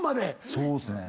そうですね。